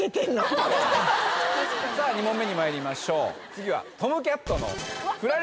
さぁ２問目にまいりましょう次は。